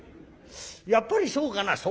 「やっぱりそうかな」。